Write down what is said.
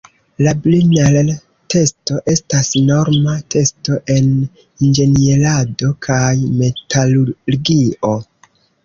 La Brinell-testo estas norma testo en inĝenierado kaj metalurgio.